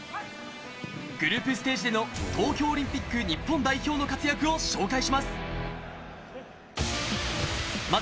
グループステージでの東京オリンピック日本代表の活躍を紹介します。